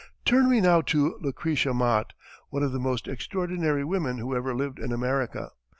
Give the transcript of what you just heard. Turn we now to Lucretia Mott, one of the most extraordinary women who ever lived in America.